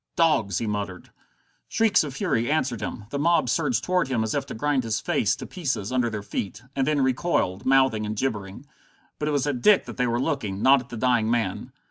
"Dogs!" he muttered. Shrieks of fury answered him. The mob surged toward him as if to grind his face to pieces under their feet and then recoiled, mouthing and gibbering. But it was at Dick that they were looking, not at the dying man.